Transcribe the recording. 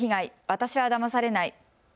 私はだまされない。